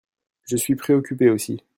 Je suis préoccupé aussi.